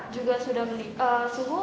juga sudah suhu